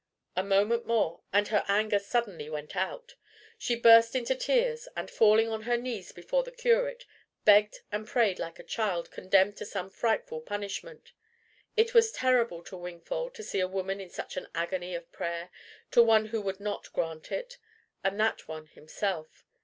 A moment more, and her anger suddenly went out. She burst into tears, and falling on her knees before the curate, begged and prayed like a child condemned to some frightful punishment. It was terrible to Wingfold to see a woman in such an agony of prayer to one who would not grant it and that one himself.